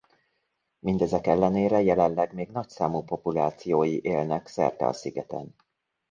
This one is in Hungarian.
Mindezek ellenére jelenleg még nagyszámú populációi élnek szerte a szigeten.